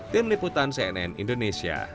tim liputan cnn indonesia